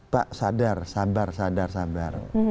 pak sadar sabar sadar sabar